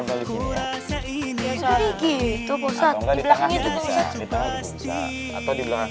kali tapi harus malah bagi bu sales ktheran